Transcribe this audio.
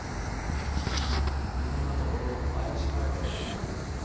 今のところ怪しまれてはいないかと。